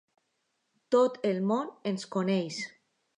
Tot el món ens coneix.